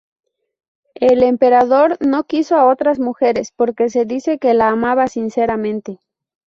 El emperador no quiso a otras mujeres porque se dice que la amaba sinceramente.